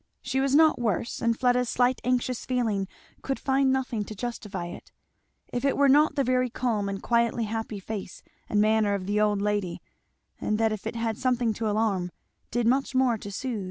She was not worse, and Fleda's slight anxious feeling could find nothing to justify it, if it were not the very calm and quietly happy face and manner of the old lady; and that if it had something to alarm, did much more to sooth.